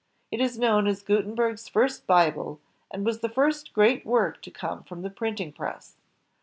It is known as Gutenberg's first Bible, and was the first great work to come from the printing press.